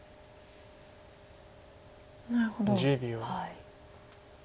なるほど。